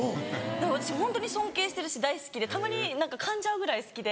私ホントに尊敬してるし大好きでたまにかんじゃうぐらい好きで。